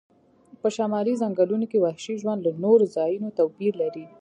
په شمالي ځنګلونو کې وحشي ژوند له نورو ځایونو توپیر لري